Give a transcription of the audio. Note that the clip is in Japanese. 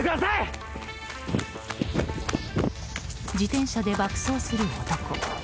自転車で爆走する男。